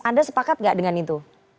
anda sepakat nggak dengan itu